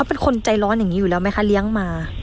อ่าอืม